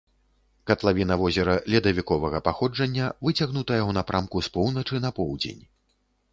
Катлавіна возера ледавіковага паходжання, выцягнутая ў напрамку з поўначы на поўдзень.